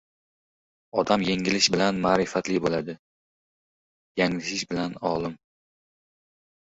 • Odam yengilish bilan ma’rifatli bo‘ladi, yanglishish bilan ― olim.